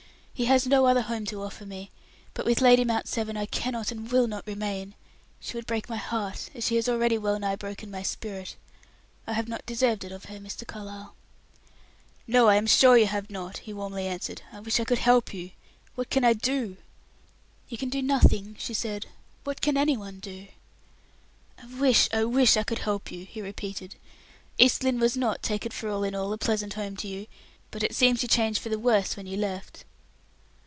"He has no other home to offer me; but with Lady Mount Severn I cannot and will not remain. She would break my heart, as she has already well nigh broken my spirit. I have not deserved it of her, Mr. Carlyle." "No, I am sure you have not," he warmly answered. "I wish I could help you! What can I do?" "You can do nothing," she said. "What can any one do?" "I wish, I wish I could help you!" he repeated. "East Lynne was not, take it for all in all, a pleasant home to you, but it seems you changed for the worse when you left."